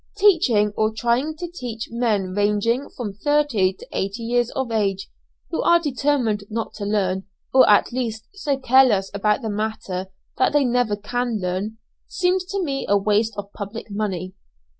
Teaching, or trying to teach, men ranging from thirty to eighty years of age, who are determined not to learn, or at least so careless about the matter that they never can learn, seems to me a waste of public money.